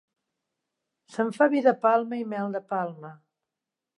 Se'n fa vi de palma i mel de palma.